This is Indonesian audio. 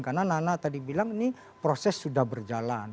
karena nana tadi bilang ini proses sudah berjalan